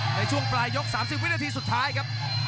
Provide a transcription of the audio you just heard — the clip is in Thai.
ในช่วงปลายยก๓๐วินาทีสุดท้ายครับ